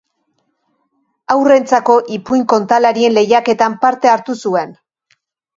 Haurrentzako ipuin-kontalarien lehiaketan parte hartu zuen.